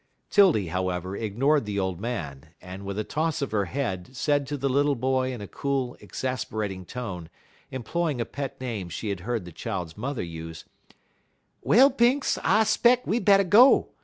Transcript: Tildy, however, ignored the old man, and, with a toss of her head, said to the little boy in a cool, exasperating tone, employing a pet name she had heard the child's mother use: "Well, Pinx, I 'speck we better go.